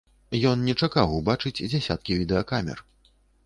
Ён не чакаў убачыць дзясяткі відэакамер.